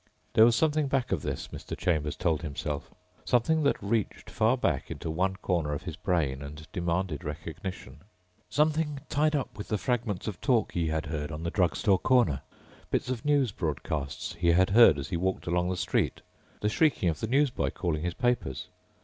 There was something back of this, Mr. Chambers told himself. Something that reached far back into one corner of his brain and demanded recognition. Something tied up with the fragments of talk he had heard on the drugstore corner, bits of news broadcasts he had heard as he walked along the street, the shrieking of the newsboy calling his papers.